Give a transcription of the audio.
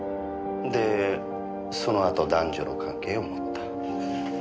でそのあと男女の関係を持った。